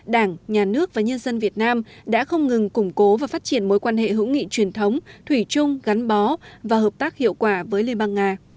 đảng nhà nước và nhân dân việt nam đã không ngừng củng cố và phát triển mối quan hệ hữu nghị truyền thống thủy chung gắn bó và hợp tác hiệu quả với liên bang nga